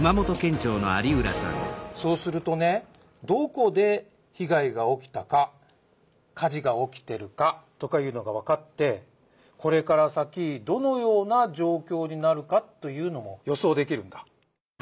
そうするとねどこで被害が起きたか火事が起きてるかとかいうのがわかってこれから先どのような状況になるかというのも予想できるんだ。